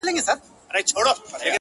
همېشه په ښو نمرو کامیابېدله,